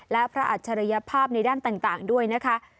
และพระอัจฉริยภาพในด้านต่างด้วยนะคะ